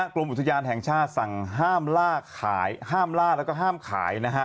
กรมอุทยานแห่งชาติสั่งห้ามล่าแล้วก็ห้ามขาย